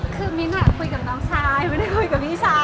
คือมิ้นคุยกับน้องชายไม่ได้คุยกับพี่ชาย